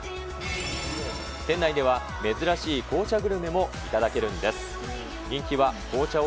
店内では珍しい紅茶グルメも頂けるんです。